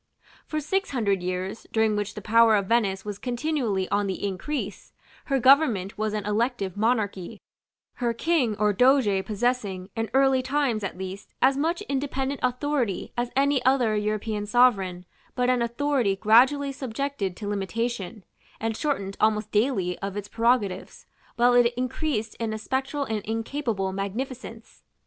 For six hundred years, during which the power of Venice was continually on the increase, her government was an elective monarchy, her King or doge possessing, in early times at least, as much independent authority as any other European sovereign, but an authority gradually subjected to limitation, and shortened almost daily of its prerogatives, while it increased in a spectral and incapable magnificence.